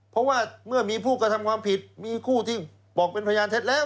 เพราะว่าเมื่อมีผู้กระทำความผิดมีคู่ที่บอกเป็นพยานเท็จแล้ว